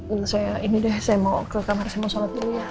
minta saya ini deh saya mau ke kamar saya mau sholat dulu ya